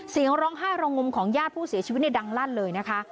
เสียงร้องฮ่ารองมุมของญาติผู้เสียชีวิตดังลั่นเลยนะคะ